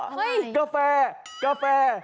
อ้าวทำไมกาแฟกาแฟ